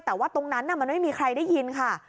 แต่ว่าตรงนั้นมันไม่มีใครได้ยินค่ะ